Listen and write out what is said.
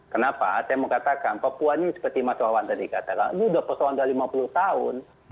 kenapa saya mau katakan papua ini seperti mas wawanda dikatakan ini udah persoalan dari lima puluh tahun